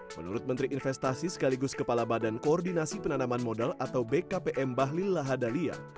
menurut menteri investasi sekaligus kepala badan koordinasi penanaman modal atau bkpm bahlil lahadalia